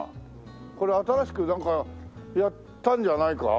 これ新しくなんかやったんじゃないか？